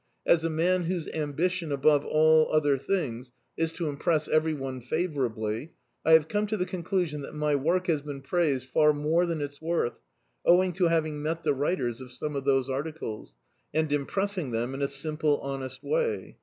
As a man whose ambition above all other things is to impress every one fav ourably, I have come to the conclusion that my work has been praised far more than its worth, owing to having met the writers of s(»ne of those articles, and impressing them in a simple, honest way.